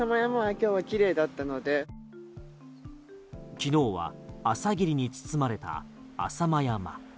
昨日は朝霧に包まれた浅間山。